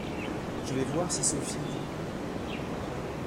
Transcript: Je vais voir si Sophie…